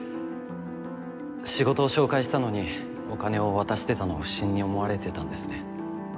仕事を紹介したのにお金を渡してたのを不審に思われてたんですね